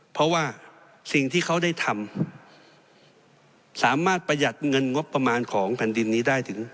เพราะว่าสิ่งที่เขาได้ทำสามารถประหยัดเงินงบประมาณของแผ่นดินนี้ได้ถึง